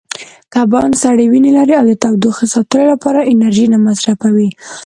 کبان سړې وینې لري او د تودوخې ساتلو لپاره انرژي نه مصرفوي.